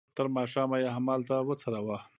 تر ماښامه یې همالته وڅروه.